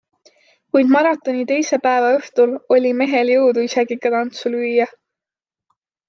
Kuid maratoni teise päeva õhtul oli mehel jõudu isegi ka tantsu lüüa!